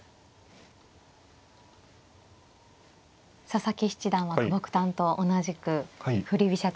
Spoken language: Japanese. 佐々木七段は久保九段と同じく振り飛車